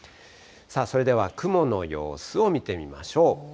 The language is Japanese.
それでは、雲の様子を見てみましょう。